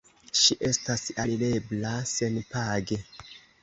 Ŝi estas alirebla senpage.